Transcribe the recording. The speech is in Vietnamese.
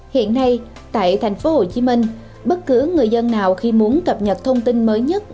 hiện nay tại thành phố hồ chí minh bất cứ người dân nào khi muốn cập nhật thông tin mới nhất